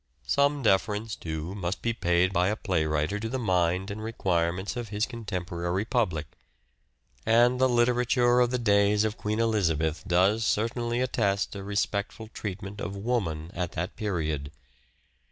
Some deference, too, must be paid by a playwriter to the mind and require ments of his contemporary public ; and the literature of the days of Queen Elizabeth does certainly attest a respectful treatment of Woman at that period.